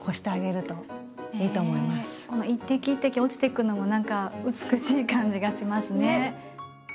この一滴一滴落ちていくのも何か美しい感じがしますね。